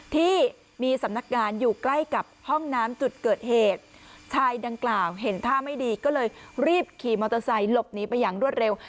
ที่มีสำนักงานอยู่ใกล้กับห้องน้ำจุดเกิดเหตุชายดังกล่าวเห็นท่าไม่ดีก็เลยรีบขี่มอเตอร์ไซค์หลบหนีไปอย่างรวดเร็ว